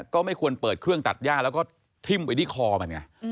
ก็ไม่ควรเปิดเครื่องตัดย่าแล้วก็ทิ้มไปที่คอมันไง